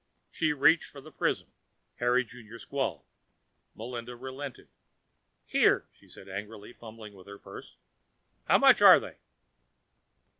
As she reached for the prism, Harry Junior squalled. Melinda relented. "Here," she said angrily, fumbling with her purse. "How much are they?"